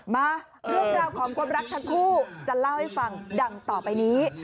มาเรื่องราวของความรักทั้งคู่จะเล่าให้ฟังดังต่อไปนี้